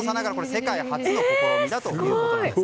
世界初の試みだということなんです。